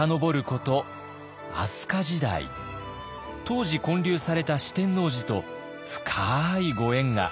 当時建立された四天王寺と深いご縁が。